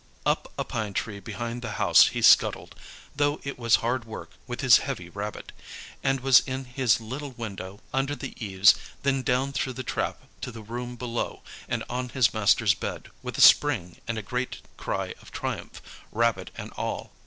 Up a pine tree behind the house he scuttled, though it was hard work with his heavy rabbit, and was in his little window under the eaves, then down through the trap to the room below, and on his master's bed with a spring and a great cry of triumph, rabbit and all.